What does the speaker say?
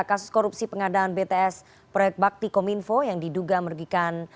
kasus korupsi pengadaan bts proyek bakti kominfo yang diduga merugikan